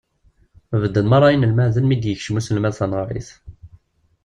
Bedden merra yinelmaden mi d-yekcem uselmad taneɣrit.